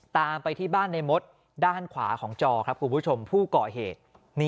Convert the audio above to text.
ตามไปที่บ้านในมดด้านขวาของจอครับคุณผู้ชมผู้ก่อเหตุ